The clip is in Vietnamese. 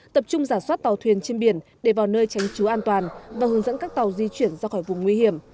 tập trung giả soát tàu thuyền trên biển để vào nơi tránh trú an toàn và hướng dẫn các tàu di chuyển ra khỏi vùng nguy hiểm